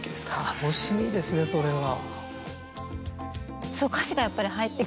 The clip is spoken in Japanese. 楽しみですねそれは。